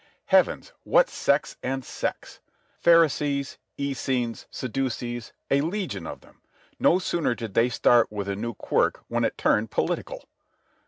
Heavens, what sects and sects! Pharisees, Essenes, Sadducees—a legion of them! No sooner did they start with a new quirk when it turned political.